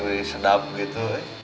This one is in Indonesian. wah kopi sedap gitu eh